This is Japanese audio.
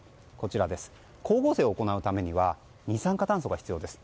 光合成を行うためには二酸化炭素が必要です。